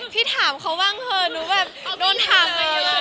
พี่ถามเขาบ้างเผยหนูแบบโดนถามมาอยู่เยอะมาก